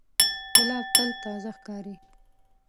ګلاب تل تازه ښکاري.